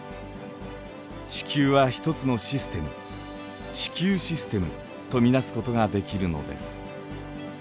地球は一つのシステム地球システムと見なすことができるのです。